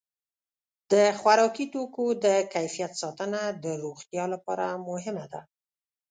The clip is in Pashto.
د خوراکي توکو د کیفیت ساتنه د روغتیا لپاره مهمه ده.